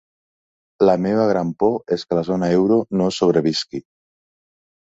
La meva gran por és que la zona euro no sobrevisqui.